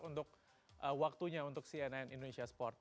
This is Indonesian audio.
untuk waktunya untuk cnn indonesia sport